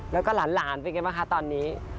แล้วก็หลานเป็นไงบ้างคะตอนนี้